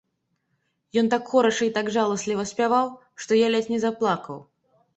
Ён так хораша і так жаласліва спяваў, што я ледзь не заплакаў.